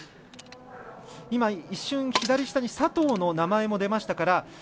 一瞬、左下に佐藤の名前も出ましたから